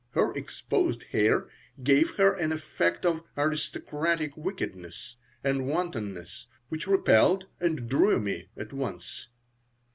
Her exposed hair gave her an effect of "aristocratic" wickedness and wantonness which repelled and drew me at once.